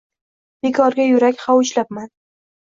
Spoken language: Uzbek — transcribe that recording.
Bekorga yurak hovuchlabman